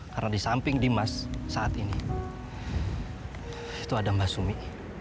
karena di samping dimas saat ini itu ada mbak sumi